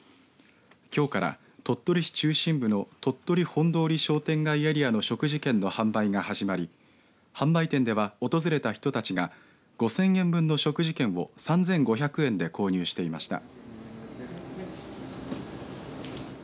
きょうから鳥取市中心部の鳥取本通商店街エリアの食事券の販売が始まり販売店では訪れた人たちが５０００円分の食事券を３５００円で購入していました。